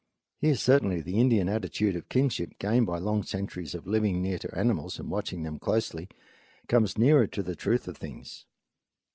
Here certainly the Indian attitude of kinship, gained by long centuries of living near to the animals and watching them closely, comes nearer to the truth of things.